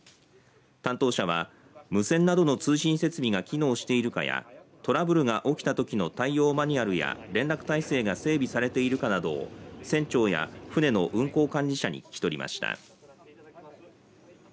担当者は無線などの通信設備が機能しているかやトラブルが起きたときの対応マニュアルや連絡体制が整備されているかなどを船長や船の運航管理者に聞き取りました。